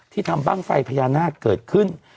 ที่ทำบ้างไฟพยานักเกิดขึ้น